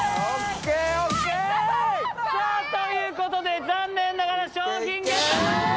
さあということで残念ながら。